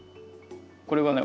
これはね